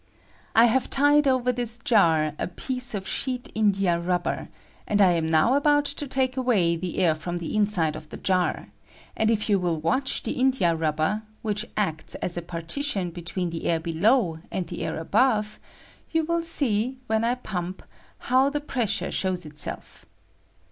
I have tied over this jar a piece of sheet India rubber, and I I am now about to take away the air from the inside of the jar; and if you wiU watch the In dia rubber — which acta as a partition between the air below and the air above — ^you will see, when I pump, how the pressure shows itself.